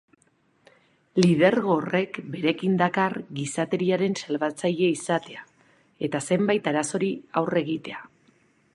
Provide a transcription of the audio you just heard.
Lidergo horrek berekin dakar gizateriaren salbatzaile izatea eta zenbait arazori aurre egitea.